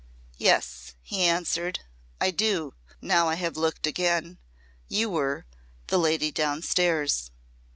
"Yes," he answered. "I do now I have looked again. You were The Lady Downstairs."